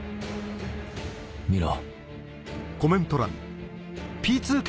見ろ。